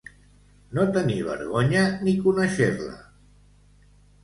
No tenir vergonya ni conèixer-la.